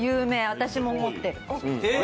私も持ってる。